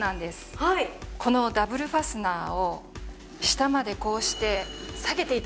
このダブルファスナーを下までこうして下げて頂きますと。